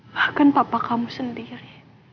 bahkan papa kamu sendiri